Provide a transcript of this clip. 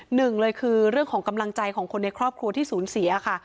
หนึ่งเลยคือเรื่องของกำลังใจของคนในครอบครัวที่สูญเสียค่ะ